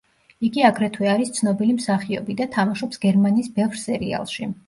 იგი აგრეთვე არის ცნობილი მსახიობი და თამაშობს გერმანიის ბევრ სერიალში.